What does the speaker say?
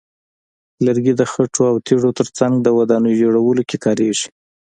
لرګي د خټو او تیږو ترڅنګ د ودانیو جوړولو کې کارېږي.